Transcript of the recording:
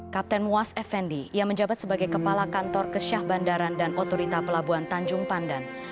kapten muas effendi ia menjabat sebagai kepala kantor kesyah bandaran dan otorita pelabuhan tanjung pandan